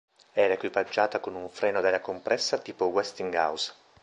Era equipaggiata con un freno ad aria compressa tipo Westinghouse.